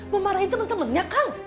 memarahi temen temennya kang